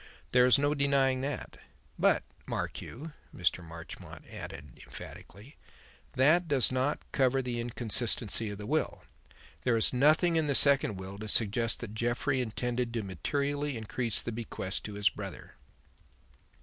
There is no denying that. But, mark you!" Mr. Marchmont added emphatically, "that does not cover the inconsistency of the will. There is nothing in the second will to suggest that Jeffrey intended materially to increase the bequest to his brother."